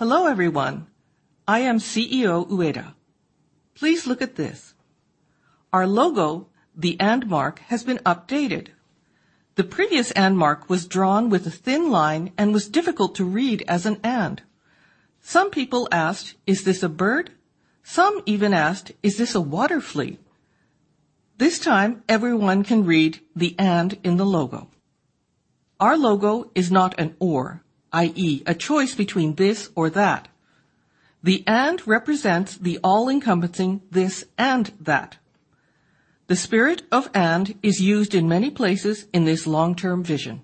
Hello everyone. I am CEO Ueda. Please look at this. Our logo, the & mark, has been updated. The previous & mark was drawn with a thin line and was difficult to read as &. Some people asked, "Is this a bird?" Some even asked, "Is this a water flea?" This time everyone can read the & in the logo. Our logo is not an or, i.e., a choice between this or that. The & represents the all-encompassing this and that. The spirit of '&' is used in many places in this long-term vision.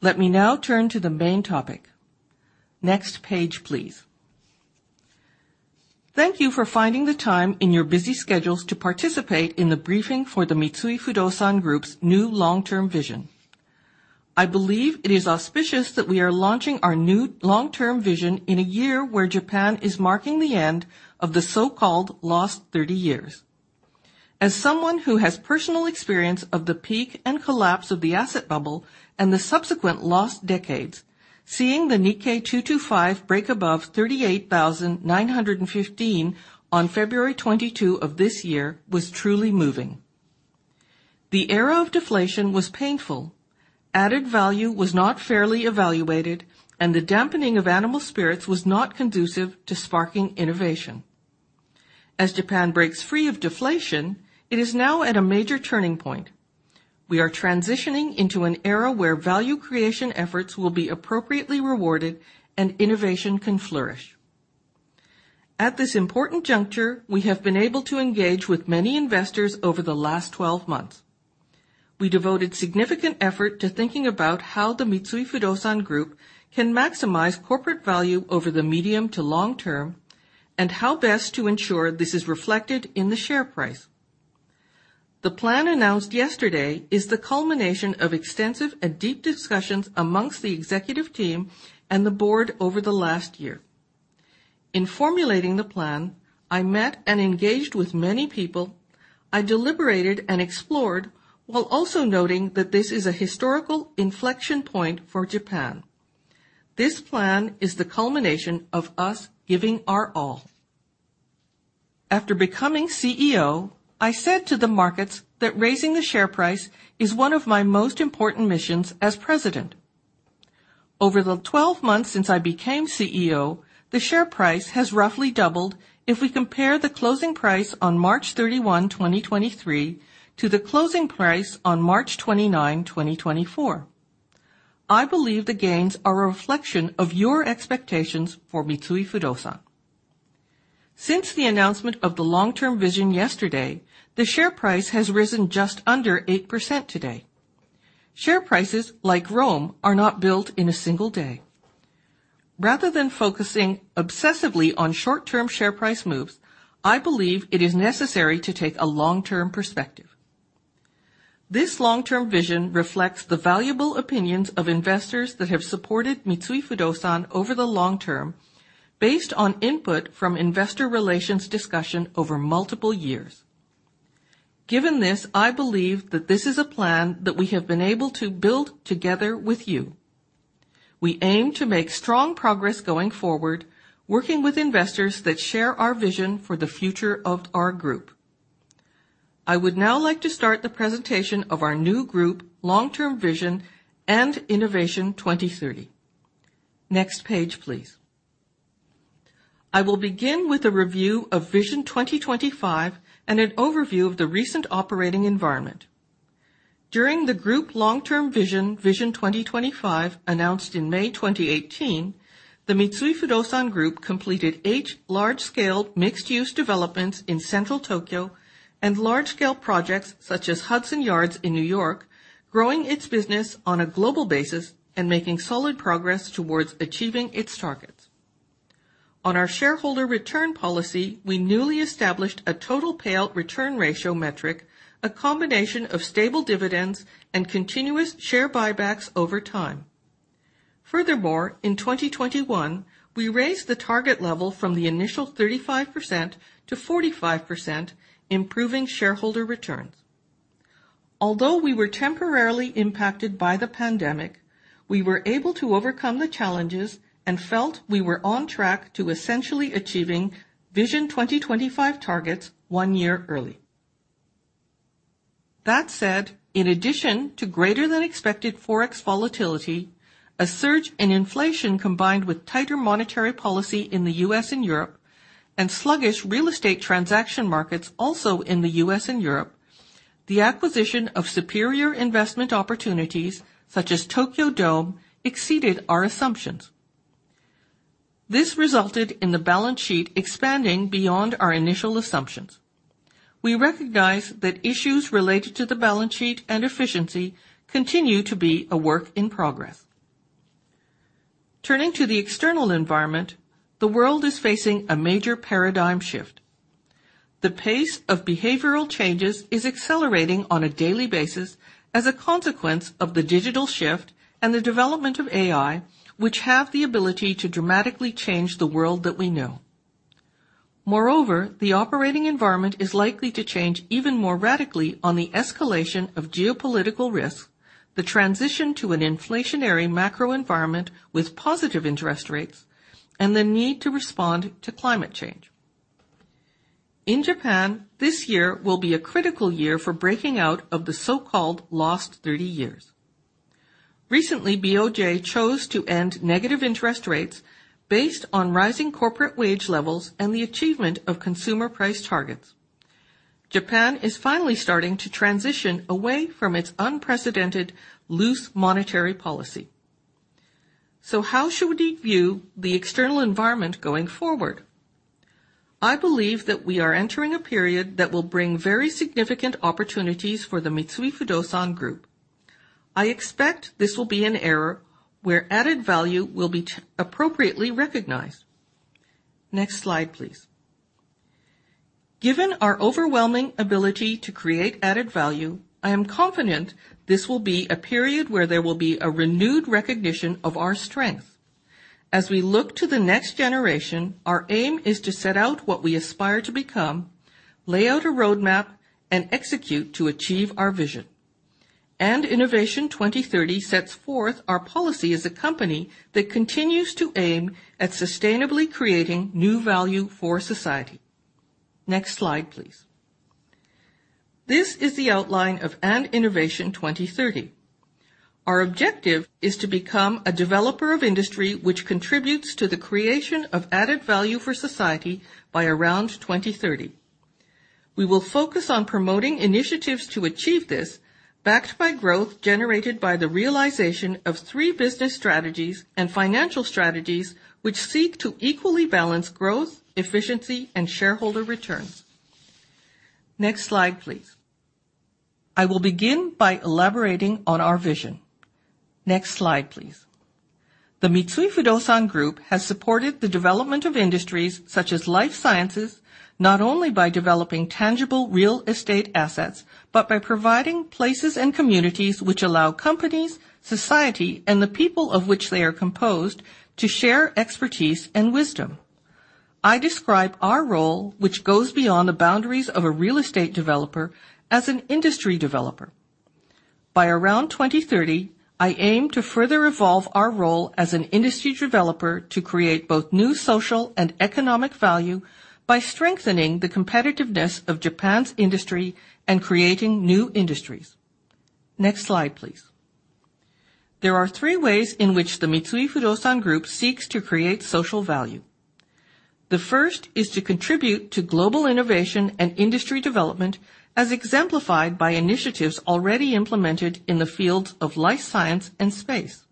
Let me now turn to the main topic. Next page, please. Thank you for finding the time in your busy schedules to participate in the briefing for the Mitsui Fudosan Group's new long-term vision. I believe it is auspicious that we are launching our new long-term vision in a year where Japan is marking the end of the so-called lost 30 years. As someone who has personal experience of the peak and collapse of the asset bubble and the subsequent lost decades, seeing the Nikkei 225 break above 38,915 on February 22 of this year was truly moving. The era of deflation was painful. Added value was not fairly evaluated, and the dampening of animal spirits was not conducive to sparking innovation. As Japan breaks free of deflation, it is now at a major turning point. We are transitioning into an era where value creation efforts will be appropriately rewarded and innovation can flourish. At this important juncture, we have been able to engage with many investors over the last 12 months. We devoted significant effort to thinking about how the Mitsui Fudosan Group can maximize corporate value over the medium to long term and how best to ensure this is reflected in the share price. The plan announced yesterday is the culmination of extensive and deep discussions among the executive team and the board over the last year. In formulating the plan, I met and engaged with many people. I deliberated and explored while also noting that this is a historical inflection point for Japan. This plan is the culmination of us giving our all. After becoming CEO, I said to the markets that raising the share price is one of my most important missions as president. Over the 12 months since I became CEO, the share price has roughly doubled if we compare the closing price on March 31, 2023, to the closing price on March 29, 2024. I believe the gains are a reflection of your expectations for Mitsui Fudosan. Since the announcement of the long-term vision yesterday, the share price has risen just under 8% today. Share prices like Rome are not built in a single day. Rather than focusing obsessively on short-term share price moves, I believe it is necessary to take a long-term perspective. This long-term vision reflects the valuable opinions of investors that have supported Mitsui Fudosan over the long term based on input from investor relations discussion over multiple years. Given this, I believe that this is a plan that we have been able to build together with you. We aim to make strong progress going forward, working with investors that share our vision for the future of our group. I would now like to start the presentation of our new group Long-Term Vision, & INNOVATION 2030. Next page, please. I will begin with a review of Vision 2025 and an overview of the recent operating environment. During the group long-term vision, Vision 2025 announced in May 2018, the Mitsui Fudosan Group completed eight large-scale mixed-use developments in central Tokyo and large-scale projects such as Hudson Yards in New York, growing its business on a global basis and making solid progress towards achieving its targets. On our shareholder return policy, we newly established a total payout return ratio metric, a combination of stable dividends and continuous share buybacks over time. Furthermore, in 2021, we raised the target level from the initial 35%-45%, improving shareholder returns. Although we were temporarily impacted by the pandemic, we were able to overcome the challenges and felt we were on track to essentially achieving Vision 2025 targets one year early. That said, in addition to greater than expected forex volatility, a surge in inflation combined with tighter monetary policy in the U.S. and Europe, and sluggish real estate transaction markets also in the U.S. and Europe, the acquisition of superior investment opportunities such as Tokyo Dome exceeded our assumptions. This resulted in the balance sheet expanding beyond our initial assumptions. We recognize that issues related to the balance sheet and efficiency continue to be a work in progress. Turning to the external environment, the world is facing a major paradigm shift. The pace of behavioral changes is accelerating on a daily basis as a consequence of the digital shift and the development of AI, which have the ability to dramatically change the world that we know. Moreover, the operating environment is likely to change even more radically on the escalation of geopolitical risk, the transition to an inflationary macro environment with positive interest rates, and the need to respond to climate change. In Japan, this year will be a critical year for breaking out of the so-called lost 30 years. Recently, BOJ chose to end negative interest rates based on rising corporate wage levels and the achievement of consumer price targets. Japan is finally starting to transition away from its unprecedented loose monetary policy. So how should we view the external environment going forward? I believe that we are entering a period that will bring very significant opportunities for the Mitsui Fudosan Group. I expect this will be an era where added value will be appropriately recognized. Next slide, please. Given our overwhelming ability to create added value, I am confident this will be a period where there will be a renewed recognition of our strengths. As we look to the next generation, our aim is to set out what we aspire to become, lay out a roadmap, and execute to achieve our vision, & INNOVATION 2030 sets forth our policy as a company that continues to aim at sustainably creating new value for society. Next slide, please. This is the outline of & INNOVATION 2030. Our objective is to become a developer of industry which contributes to the creation of added value for society by around 2030. We will focus on promoting initiatives to achieve this backed by growth generated by the realization of three business strategies and financial strategies which seek to equally balance growth, efficiency, and shareholder returns. Next slide, please. I will begin by elaborating on our vision. Next slide, please. The Mitsui Fudosan Group has supported the development of industries such as life sciences not only by developing tangible real estate assets but by providing places and communities which allow companies, society, and the people of which they are composed to share expertise and wisdom. I describe our role, which goes beyond the boundaries of a real estate developer, as an industry developer. By around 2030, I aim to further evolve our role as an industry developer to create both new social and economic value by strengthening the competitiveness of Japan's industry and creating new industries. Next slide, please. There are three ways in which the Mitsui Fudosan Group seeks to create social value. The first is to contribute to global innovation and industry development as exemplified by initiatives already implemented in the fields of life science and space.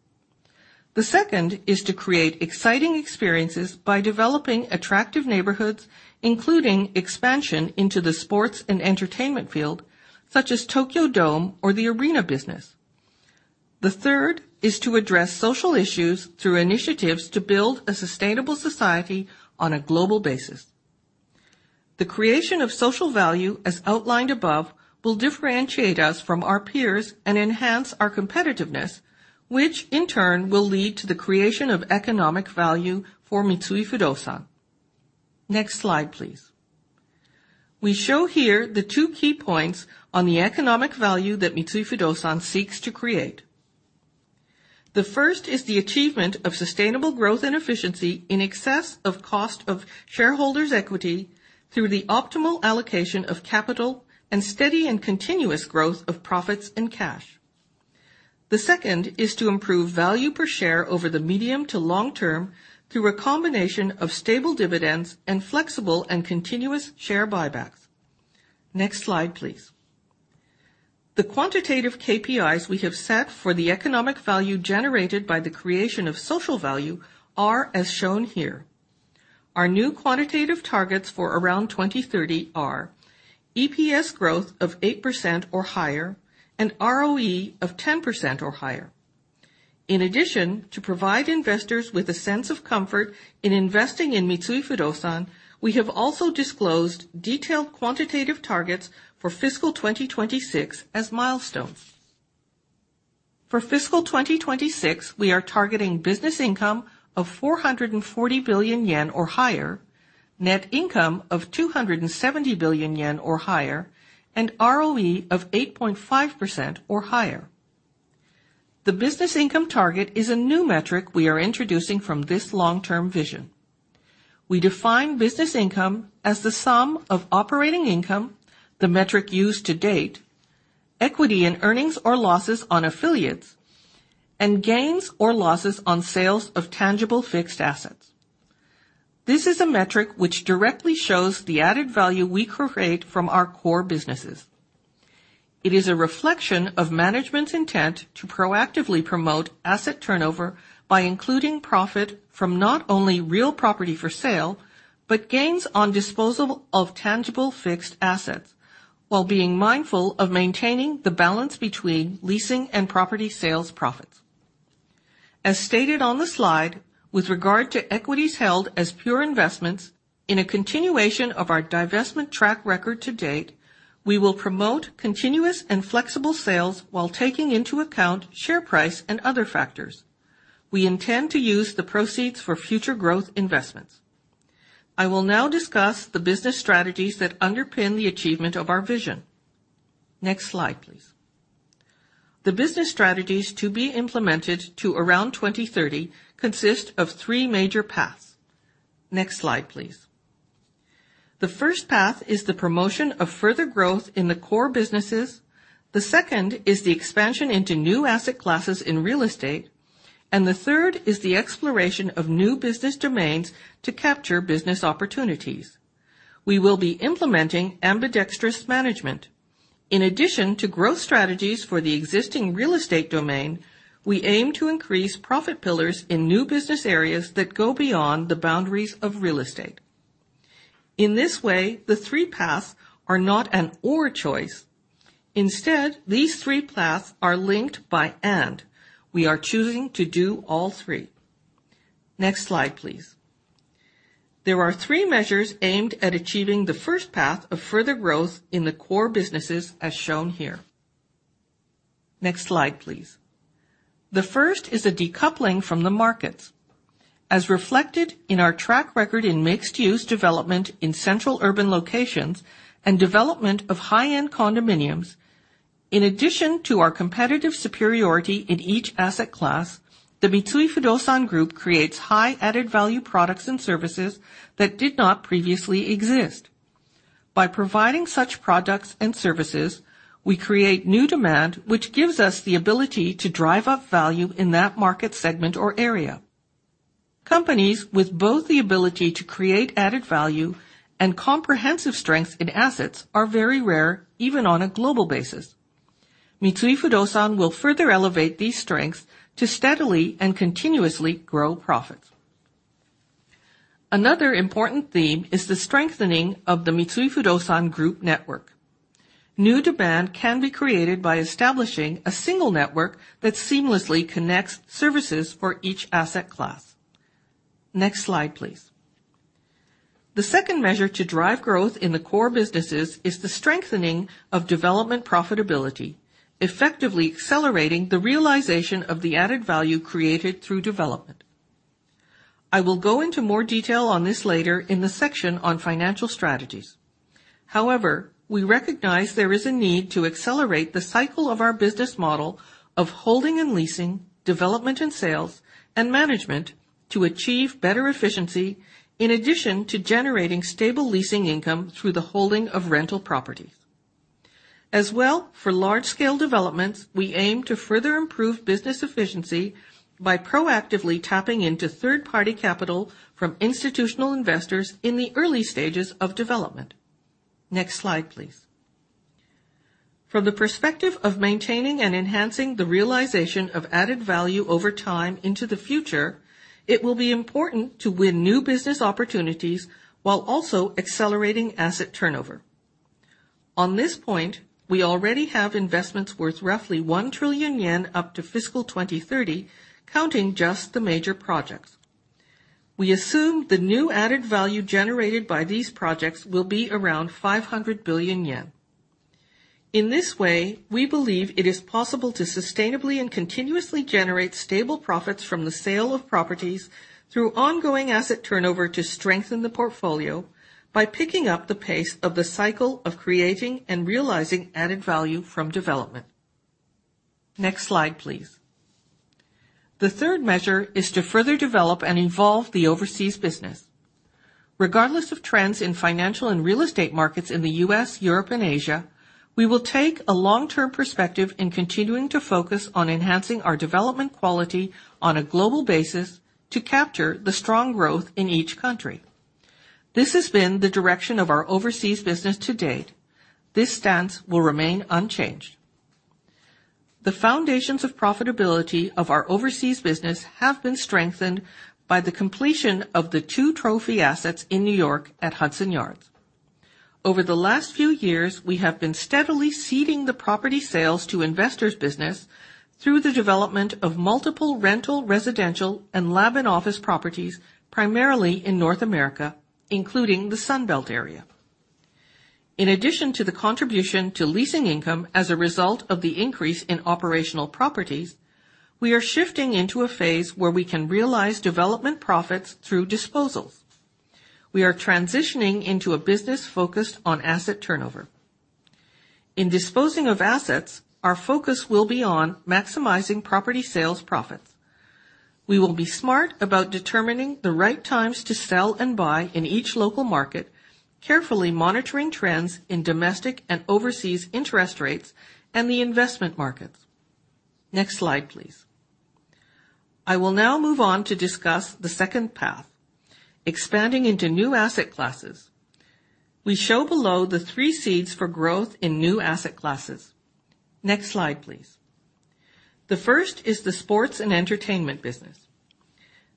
The second is to create exciting experiences by developing attractive neighborhoods, including expansion into the sports and entertainment field such as Tokyo Dome or the arena business. The third is to address social issues through initiatives to build a sustainable society on a global basis. The creation of social value, as outlined above, will differentiate us from our peers and enhance our competitiveness, which in turn will lead to the creation of economic value for Mitsui Fudosan. Next slide, please. We show here the two key points on the economic value that Mitsui Fudosan seeks to create. The first is the achievement of sustainable growth and efficiency in excess of cost of shareholders' equity through the optimal allocation of capital and steady and continuous growth of profits and cash. The second is to improve value per share over the medium to long term through a combination of stable dividends and flexible and continuous share buybacks. Next slide, please. The quantitative KPIs we have set for the economic value generated by the creation of social value are as shown here. Our new quantitative targets for around 2030 are EPS growth of 8% or higher and ROE of 10% or higher. In addition, to provide investors with a sense of comfort in investing in Mitsui Fudosan, we have also disclosed detailed quantitative targets for fiscal 2026 as milestones. For fiscal 2026, we are targeting business income of 440 billion yen or higher, net income of 270 billion yen or higher, and ROE of 8.5% or higher. The business income target is a new metric we are introducing from this long-term vision. We define Business Income as the sum of operating income, the metric used to date, equity in earnings or losses of affiliates, and gains or losses on sales of tangible fixed assets. This is a metric which directly shows the added value we create from our core businesses. It is a reflection of management's intent to proactively promote asset turnover by including profit from not only real property for sale but gains on disposal of tangible fixed assets while being mindful of maintaining the balance between leasing and property sales profits. As stated on the slide, with regard to equities held as pure investments, in a continuation of our divestment track record to date, we will promote continuous and flexible sales while taking into account share price and other factors. We intend to use the proceeds for future growth investments. I will now discuss the business strategies that underpin the achievement of our vision. Next slide, please. The business strategies to be implemented to around 2030 consist of three major paths. Next slide, please. The first path is the promotion of further growth in the core businesses. The second is the expansion into new asset classes in real estate. And the third is the exploration of new business domains to capture business opportunities. We will be implementing ambidextrous management. In addition to growth strategies for the existing real estate domain, we aim to increase profit pillars in new business areas that go beyond the boundaries of real estate. In this way, the three paths are not an or choice. Instead, these three paths are linked by And. We are choosing to do all three. Next slide, please. There are three measures aimed at achieving the first path of further growth in the core businesses as shown here. Next slide, please. The first is a decoupling from the markets. As reflected in our track record in mixed-use development in central urban locations and development of high-end condominiums, in addition to our competitive superiority in each asset class, the Mitsui Fudosan Group creates high added value products and services that did not previously exist. By providing such products and services, we create new demand which gives us the ability to drive up value in that market segment or area. Companies with both the ability to create added value and comprehensive strengths in assets are very rare, even on a global basis. Mitsui Fudosan will further elevate these strengths to steadily and continuously grow profits. Another important theme is the strengthening of the Mitsui Fudosan Group network. New demand can be created by establishing a single network that seamlessly connects services for each asset class. Next slide, please. The second measure to drive growth in the core businesses is the strengthening of development profitability, effectively accelerating the realization of the added value created through development. I will go into more detail on this later in the section on financial strategies. However, we recognize there is a need to accelerate the cycle of our business model of holding and leasing, development and sales, and management to achieve better efficiency in addition to generating stable leasing income through the holding of rental properties. As well, for large-scale developments, we aim to further improve business efficiency by proactively tapping into third-party capital from institutional investors in the early stages of development. Next slide, please. From the perspective of maintaining and enhancing the realization of added value over time into the future, it will be important to win new business opportunities while also accelerating asset turnover. On this point, we already have investments worth roughly 1 trillion yen up to fiscal 2030, counting just the major projects. We assume the new added value generated by these projects will be around 500 billion yen. In this way, we believe it is possible to sustainably and continuously generate stable profits from the sale of properties through ongoing asset turnover to strengthen the portfolio by picking up the pace of the cycle of creating and realizing added value from development. Next slide, please. The third measure is to further develop and evolve the overseas business. Regardless of trends in financial and real estate markets in the U.S., Europe, and Asia, we will take a long-term perspective in continuing to focus on enhancing our development quality on a global basis to capture the strong growth in each country. This has been the direction of our overseas business to date. This stance will remain unchanged. The foundations of profitability of our overseas business have been strengthened by the completion of the two trophy assets in New York at Hudson Yards. Over the last few years, we have been steadily ceding the property sales to investors' business through the development of multiple rental residential and lab and office properties, primarily in North America, including the Sunbelt area. In addition to the contribution to leasing income as a result of the increase in operational properties, we are shifting into a phase where we can realize development profits through disposals. We are transitioning into a business focused on asset turnover. In disposing of assets, our focus will be on maximizing property sales profits. We will be smart about determining the right times to sell and buy in each local market, carefully monitoring trends in domestic and overseas interest rates and the investment markets. Next slide, please. I will now move on to discuss the second path, expanding into new asset classes. We show below the three seeds for growth in new asset classes. Next slide, please. The first is the sports and entertainment business.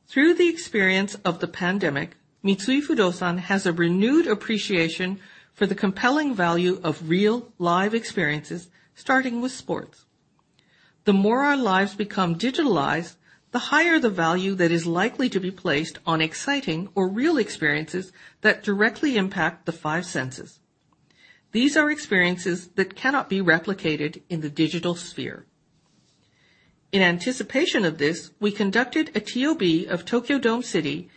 Through the experience of the pandemic, Mitsui Fudosan has a renewed appreciation for the compelling value of real, live experiences starting with sports. The more our lives become digitalized, the higher the value that is likely to be placed on exciting or real experiences that directly impact the five senses. These are experiences that cannot be replicated in the digital sphere. In anticipation of this, we conducted a TOB of Tokyo Dome City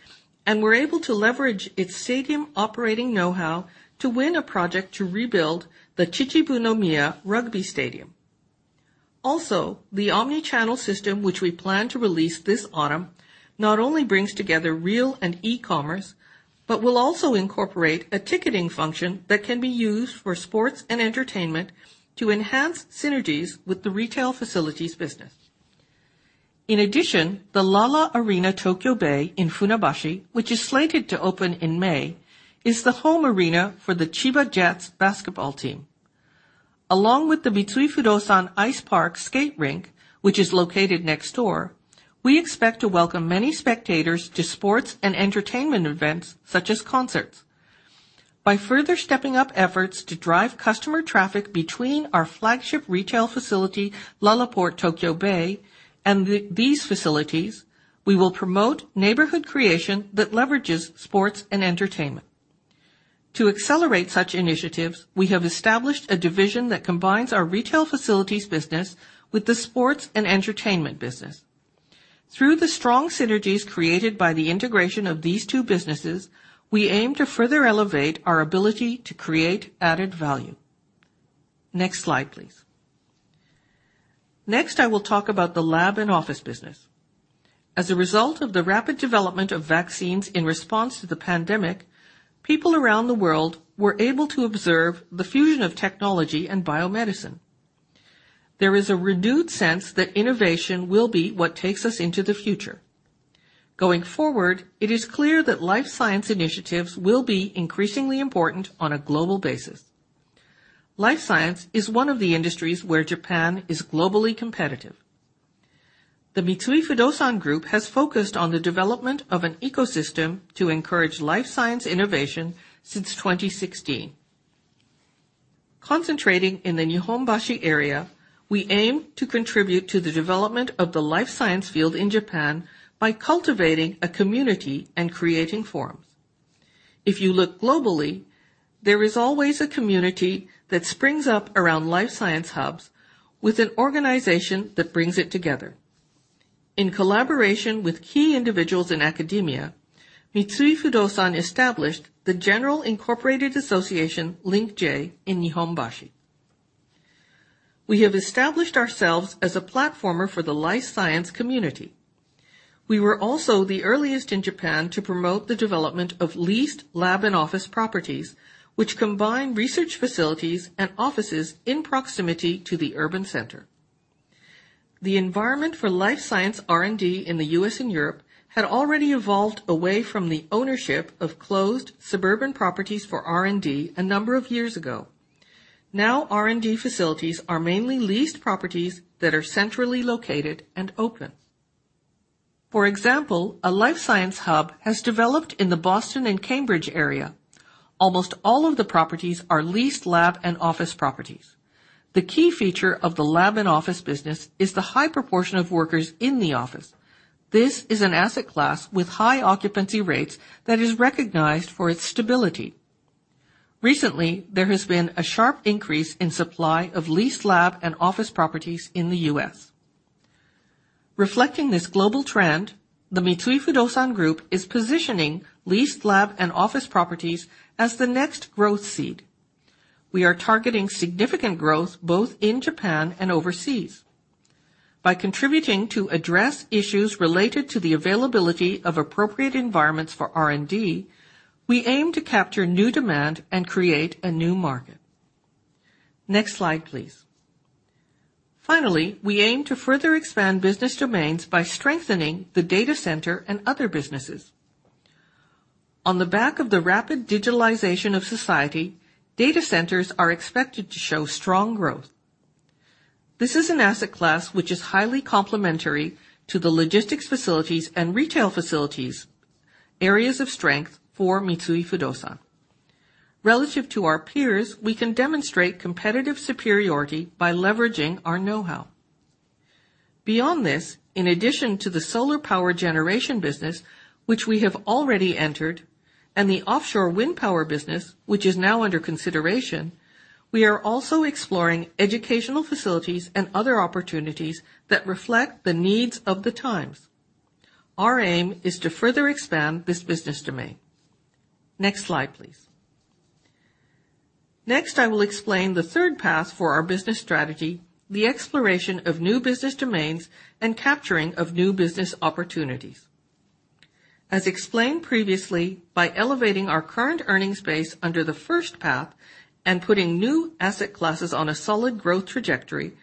and were able to leverage its stadium operating know-how to win a project to rebuild the Chichibunomiya Rugby Stadium. Also, the omnichannel system which we plan to release this autumn not only brings together real and e-commerce but will also incorporate a ticketing function that can be used for sports and entertainment to enhance synergies with the retail facilities business. In addition, the LaLa arena TOKYO-BAY in Funabashi, which is slated to open in May, is the home arena for the Chiba Jets basketball team. Along with the Mitsui Fudosan Ice Park skate rink, which is located next door, we expect to welcome many spectators to sports and entertainment events such as concerts. By further stepping up efforts to drive customer traffic between our flagship retail facility, LaLaport TOKYO-BAY, and these facilities, we will promote neighborhood creation that leverages sports and entertainment. To accelerate such initiatives, we have established a division that combines our retail facilities business with the sports and entertainment business. Through the strong synergies created by the integration of these two businesses, we aim to further elevate our ability to create added value. Next slide, please. Next, I will talk about the lab and office business. As a result of the rapid development of vaccines in response to the pandemic, people around the world were able to observe the fusion of technology and biomedicine. There is a renewed sense that innovation will be what takes us into the future. Going forward, it is clear that life science initiatives will be increasingly important on a global basis. Life science is one of the industries where Japan is globally competitive. The Mitsui Fudosan Group has focused on the development of an ecosystem to encourage life science innovation since 2016. Concentrating in the Nihonbashi area, we aim to contribute to the development of the life science field in Japan by cultivating a community and creating forums. If you look globally, there is always a community that springs up around life science hubs with an organization that brings it together. In collaboration with key individuals in academia, Mitsui Fudosan established the general incorporated association, LINK-J, in Nihonbashi. We have established ourselves as a platformer for the life science community. We were also the earliest in Japan to promote the development of leased lab and office properties, which combine research facilities and offices in proximity to the urban center. The environment for life science R&D in the U.S. and Europe had already evolved away from the ownership of closed suburban properties for R&D a number of years ago. Now, R&D facilities are mainly leased properties that are centrally located and open. For example, a life science hub has developed in the Boston and Cambridge area. Almost all of the properties are leased lab and office properties. The key feature of the lab and office business is the high proportion of workers in the office. This is an asset class with high occupancy rates that is recognized for its stability. Recently, there has been a sharp increase in supply of leased lab and office properties in the U.S. Reflecting this global trend, the Mitsui Fudosan Group is positioning leased lab and office properties as the next growth seed. We are targeting significant growth both in Japan and overseas. By contributing to address issues related to the availability of appropriate environments for R&D, we aim to capture new demand and create a new market. Next slide, please. Finally, we aim to further expand business domains by strengthening the data center and other businesses. On the back of the rapid digitalization of society, data centers are expected to show strong growth. This is an asset class which is highly complementary to the logistics facilities and retail facilities, areas of strength for Mitsui Fudosan. Relative to our peers, we can demonstrate competitive superiority by leveraging our know-how. Beyond this, in addition to the solar power generation business, which we have already entered, and the offshore wind power business, which is now under consideration, we are also exploring educational facilities and other opportunities that reflect the needs of the times. Our aim is to further expand this business domain. Next slide, please. Next, I will explain the third path for our business strategy, the exploration of new business domains and capturing of new business opportunities. As explained previously, by elevating our current earnings base under the first path and putting new asset classes on a solid growth trajectory,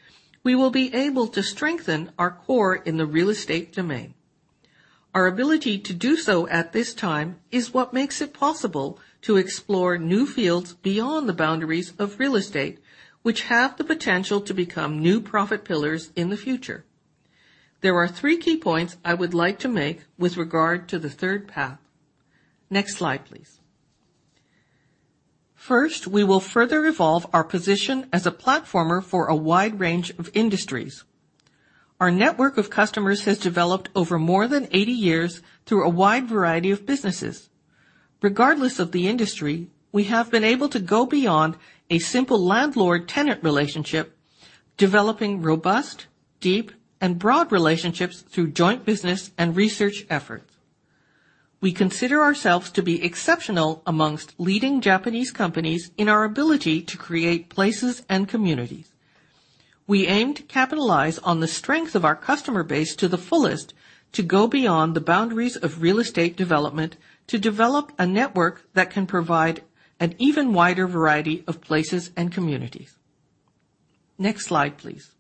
we will be able to strengthen our core in the real estate domain. Our ability to do so at this time is what makes it possible to explore new fields beyond the boundaries of real estate, which have the potential to become new profit pillars in the future. There are three key points I would like to make with regard to the third path. Next slide, please. First, we will further evolve our position as a platformer for a wide range of industries. Our network of customers has developed over more than 80 years through a wide variety of businesses. Regardless of the industry, we have been able to go beyond a simple landlord-tenant relationship, developing robust, deep, and broad relationships through joint business and research efforts. We consider ourselves to be exceptional among leading Japanese companies in our ability to create places and communities. We aim to capitalize on the strength of our customer base to the fullest to go beyond the boundaries of real estate development to develop a network that can provide an even wider variety of places and communities. Next slide, please.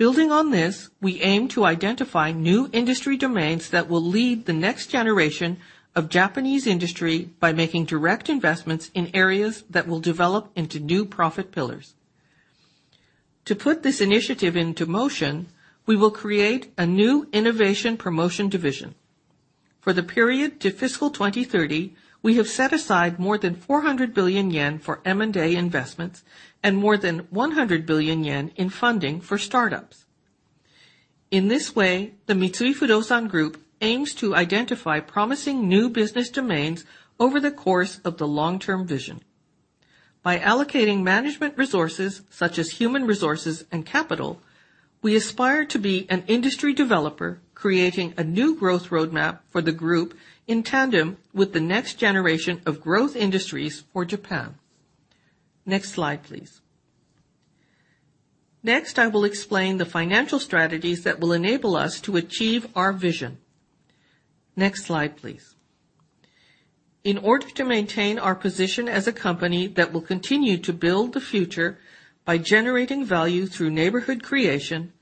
Building on this, we aim to identify new industry domains that will lead the next generation of Japanese industry by making direct investments in areas that will develop into new profit pillars. To put this initiative into motion, we will create a new innovation promotion division. For the period to fiscal 2030, we have set aside more than 400 billion yen for M&A investments and more than 100 billion yen in funding for startups. In this way, the Mitsui Fudosan Group aims to identify promising new business domains over the course of the long-term vision. By allocating management resources such as human resources and capital, we aspire to be an industry developer creating a new growth roadmap for the group in tandem with the next generation of growth industries for Japan. Next slide, please. Next, I will explain the financial strategies that will enable us to achieve our vision. Next slide, please. In order to maintain our position as a company that will continue to build the future by generating value through neighborhood creation,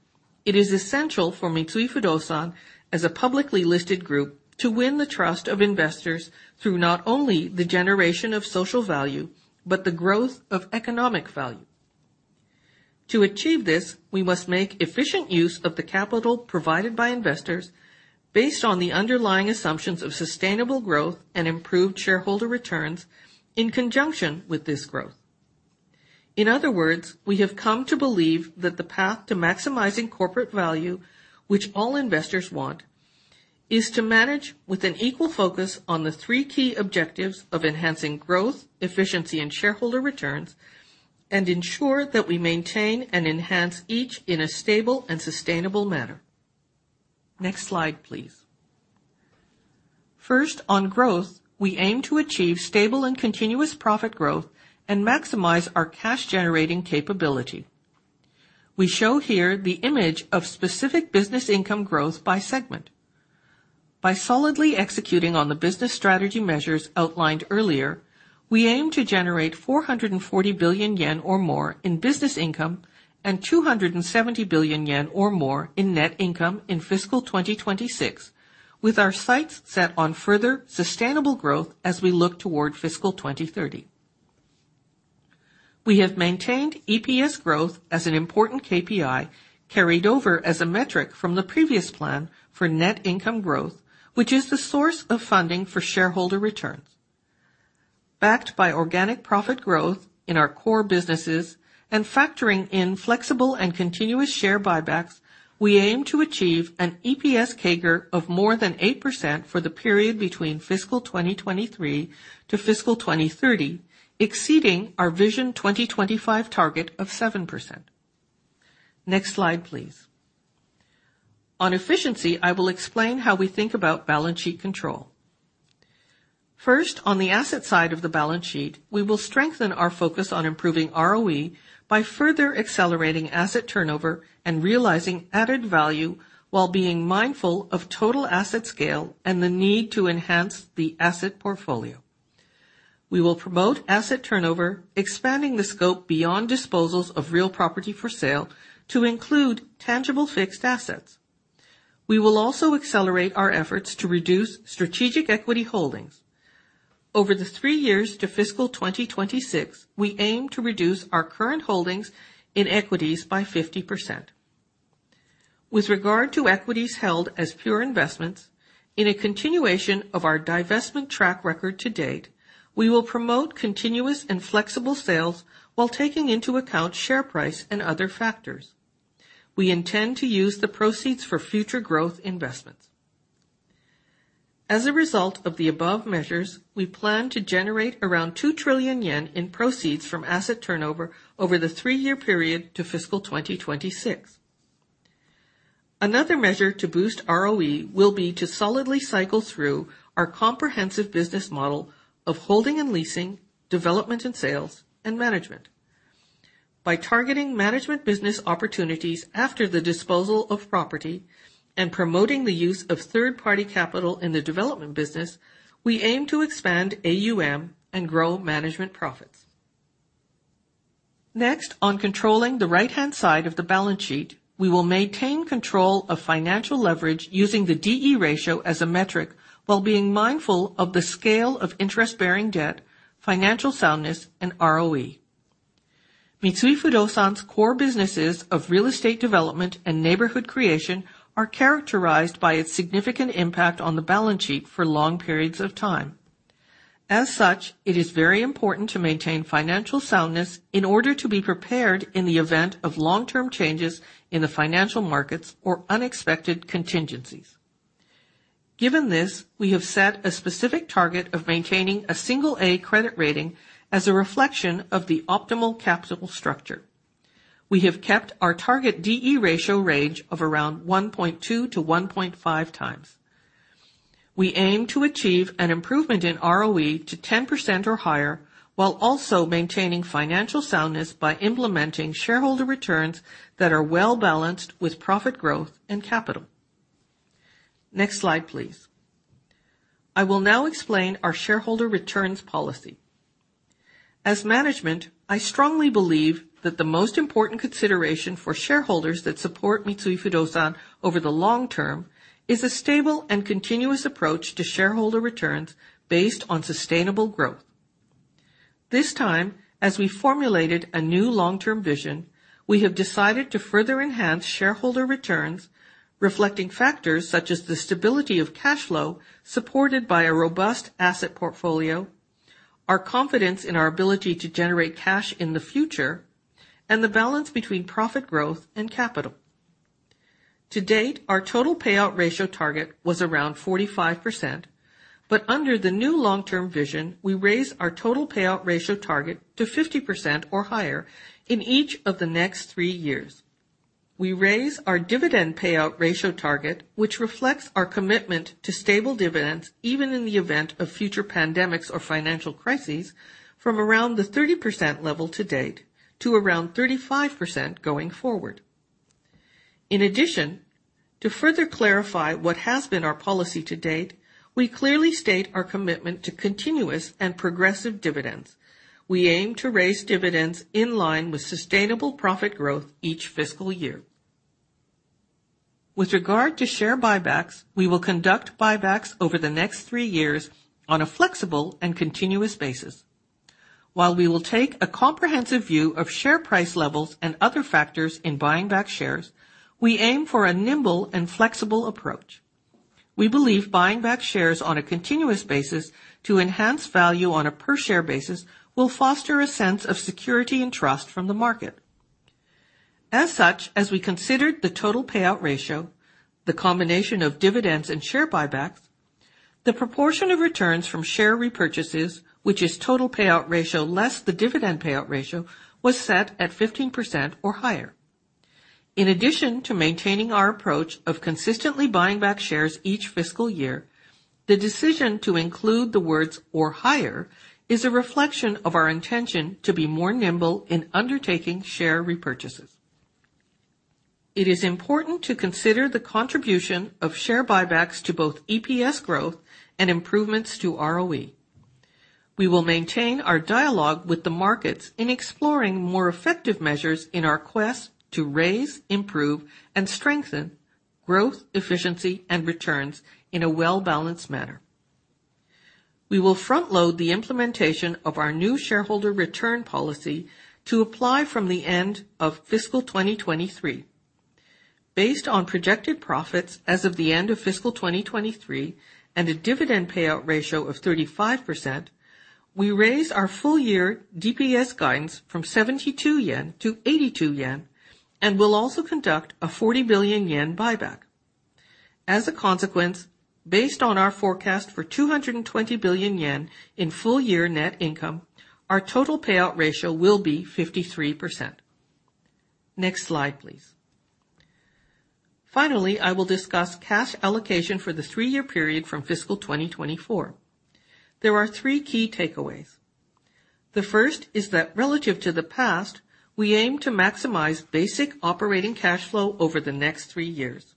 it is essential for Mitsui Fudosan as a publicly listed group to win the trust of investors through not only the generation of social value but the growth of economic value. To achieve this, we must make efficient use of the capital provided by investors based on the underlying assumptions of sustainable growth and improved shareholder returns in conjunction with this growth. In other words, we have come to believe that the path to maximizing corporate value, which all investors want, is to manage with an equal focus on the three key objectives of enhancing growth, efficiency, and shareholder returns and ensure that we maintain and enhance each in a stable and sustainable manner. Next slide, please. First, on growth, we aim to achieve stable and continuous profit growth and maximize our cash-generating capability. We show here the image of specific business income growth by segment. By solidly executing on the business strategy measures outlined earlier, we aim to generate 440 billion yen or more in business income and 270 billion yen or more in net income in fiscal 2026, with our sights set on further sustainable growth as we look toward fiscal 2030. We have maintained EPS growth as an important KPI carried over as a metric from the previous plan for net income growth, which is the source of funding for shareholder returns. Backed by organic profit growth in our core businesses and factoring in flexible and continuous share buybacks, we aim to achieve an EPS CAGR of more than 8% for the period between fiscal 2023 to fiscal 2030, exceeding our Vision 2025 target of 7%. Next slide, please. On efficiency, I will explain how we think about balance sheet control. First, on the asset side of the balance sheet, we will strengthen our focus on improving ROE by further accelerating asset turnover and realizing added value while being mindful of total asset scale and the need to enhance the asset portfolio. We will promote asset turnover, expanding the scope beyond disposals of real property for sale to include tangible fixed assets. We will also accelerate our efforts to reduce strategic equity holdings. Over the three years to fiscal 2026, we aim to reduce our current holdings in equities by 50%. With regard to equities held as pure investments, in a continuation of our divestment track record to date, we will promote continuous and flexible sales while taking into account share price and other factors. We intend to use the proceeds for future growth investments. As a result of the above measures, we plan to generate around 2 trillion yen in proceeds from asset turnover over the three-year period to fiscal 2026. Another measure to boost ROE will be to solidly cycle through our comprehensive business model of holding and leasing, development and sales, and management. By targeting management business opportunities after the disposal of property and promoting the use of third-party capital in the development business, we aim to expand AUM and grow management profits. Next, on controlling the right-hand side of the balance sheet, we will maintain control of financial leverage using the D/E ratio as a metric while being mindful of the scale of interest-bearing debt, financial soundness, and ROE. Mitsui Fudosan's core businesses of real estate development and neighborhood creation are characterized by its significant impact on the balance sheet for long periods of time. As such, it is very important to maintain financial soundness in order to be prepared in the event of long-term changes in the financial markets or unexpected contingencies. Given this, we have set a specific target of maintaining a single A credit rating as a reflection of the optimal capital structure. We have kept our target D/E ratio range of around 1.2-1.5 times. We aim to achieve an improvement in ROE to 10% or higher while also maintaining financial soundness by implementing shareholder returns that are well balanced with profit growth and capital. Next slide, please. I will now explain our shareholder returns policy. As management, I strongly believe that the most important consideration for shareholders that support Mitsui Fudosan over the long term is a stable and continuous approach to shareholder returns based on sustainable growth. This time, as we formulated a new long-term vision, we have decided to further enhance shareholder returns reflecting factors such as the stability of cash flow supported by a robust asset portfolio, our confidence in our ability to generate cash in the future, and the balance between profit growth and capital. To date, our total payout ratio target was around 45%, but under the new long-term vision, we raise our total payout ratio target to 50% or higher in each of the next three years. We raise our dividend payout ratio target, which reflects our commitment to stable dividends even in the event of future pandemics or financial crises, from around the 30% level to date to around 35% going forward. In addition, to further clarify what has been our policy to date, we clearly state our commitment to continuous and progressive dividends. We aim to raise dividends in line with sustainable profit growth each fiscal year. With regard to share buybacks, we will conduct buybacks over the next three years on a flexible and continuous basis. While we will take a comprehensive view of share price levels and other factors in buying back shares, we aim for a nimble and flexible approach. We believe buying back shares on a continuous basis to enhance value on a per-share basis will foster a sense of security and trust from the market. As such, as we considered the total payout ratio, the combination of dividends and share buybacks, the proportion of returns from share repurchases, which is total payout ratio less the dividend payout ratio, was set at 15% or higher. In addition to maintaining our approach of consistently buying back shares each fiscal year, the decision to include the words "or higher" is a reflection of our intention to be more nimble in undertaking share repurchases. It is important to consider the contribution of share buybacks to both EPS growth and improvements to ROE. We will maintain our dialogue with the markets in exploring more effective measures in our quest to raise, improve, and strengthen growth, efficiency, and returns in a well-balanced manner. We will front-load the implementation of our new shareholder return policy to apply from the end of fiscal 2023. Based on projected profits as of the end of fiscal 2023 and a dividend payout ratio of 35%, we raise our full-year DPS guidance from 72 yen to 82 yen and will also conduct a 40 billion yen buyback. As a consequence, based on our forecast for 220 billion yen in full-year net income, our total payout ratio will be 53%. Next slide, please. Finally, I will discuss cash allocation for the three-year period from fiscal 2024. There are three key takeaways. The first is that, relative to the past, we aim to maximize Basic Operating Cash Flow over the next three years.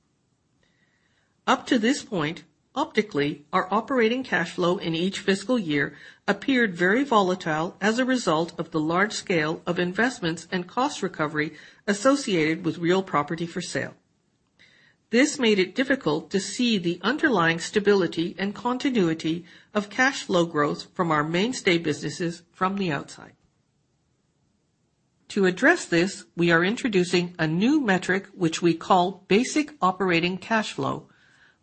Up to this point, optically, our operating cash flow in each fiscal year appeared very volatile as a result of the large scale of investments and cost recovery associated with real property for sale. This made it difficult to see the underlying stability and continuity of cash flow growth from our mainstay businesses from the outside. To address this, we are introducing a new metric which we call Basic Operating Cash Flow,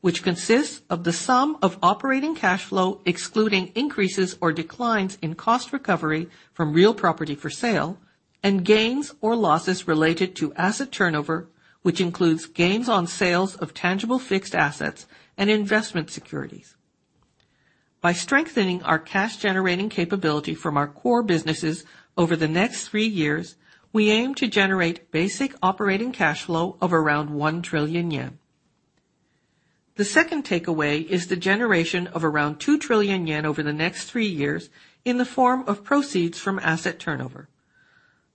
which consists of the sum of operating cash flow excluding increases or declines in cost recovery from real property for sale and gains or losses related to asset turnover, which includes gains on sales of tangible fixed assets and investment securities. By strengthening our cash-generating capability from our core businesses over the next three years, we aim to generate Basic Operating Cash Flow of around 1 trillion yen. The second takeaway is the generation of around 2 trillion yen over the next three years in the form of proceeds from asset turnover.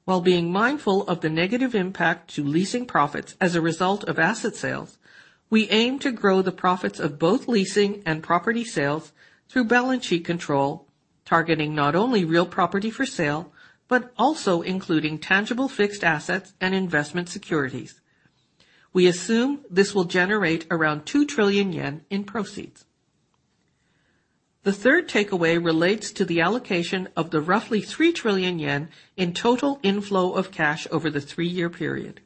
While being mindful of the negative impact to leasing profits as a result of asset sales, we aim to grow the profits of both leasing and property sales through balance sheet control, targeting not only real property for sale but also including tangible fixed assets and investment securities. We assume this will generate around 2 trillion yen in proceeds. The third takeaway relates to the allocation of the roughly 3 trillion yen in total inflow of cash over the three-year period.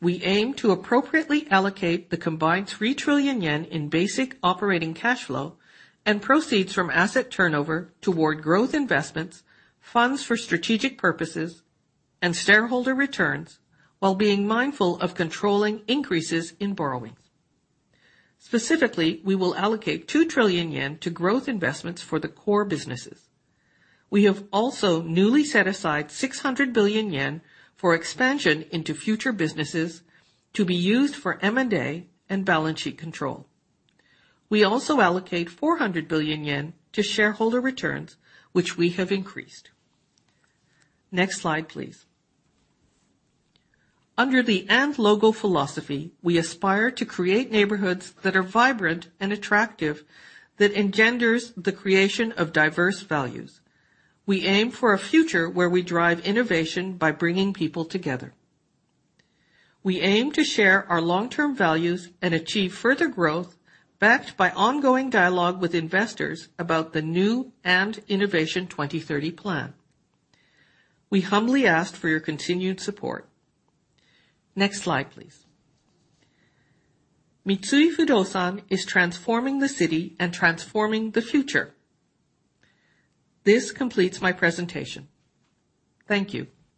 We aim to appropriately allocate the combined 3 trillion yen in Basic Operating Cash Flow and proceeds from asset turnover toward growth investments, funds for strategic purposes, and shareholder returns while being mindful of controlling increases in borrowings. Specifically, we will allocate 2 trillion yen to growth investments for the core businesses. We have also newly set aside 600 billion yen for expansion into future businesses to be used for M&A and balance sheet control. We also allocate 400 billion yen to shareholder returns, which we have increased. Next slide, please. Under the & logo philosophy, we aspire to create neighborhoods that are vibrant and attractive that engenders the creation of diverse values. We aim for a future where we drive innovation by bringing people together. We aim to share our long-term values and achieve further growth backed by ongoing dialogue with investors about the new & INNOVATION 2030 plan. We humbly ask for your continued support. Next slide, please. Mitsui Fudosan is transforming the city and transforming the future. This completes my presentation. Thank you.